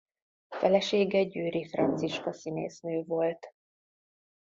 Felesége Győry Franciska színésznő volt.